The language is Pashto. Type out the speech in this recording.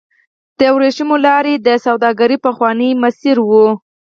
د ورېښمو لار د سوداګرۍ پخوانی مسیر و.